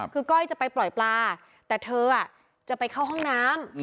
คือก้อยจะไปปล่อยปลาแต่เธอจะไปเข้าห้องน้ำ